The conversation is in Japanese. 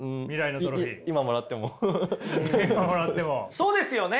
そうですよね。